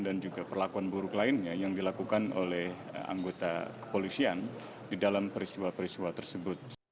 dan juga perlakuan buruk lainnya yang dilakukan oleh anggota kepolisian di dalam peristiwa peristiwa tersebut